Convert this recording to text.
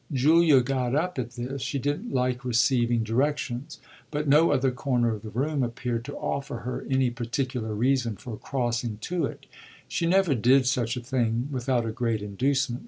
Julia got up at this she didn't like receiving directions; but no other corner of the room appeared to offer her any particular reason for crossing to it: she never did such a thing without a great inducement.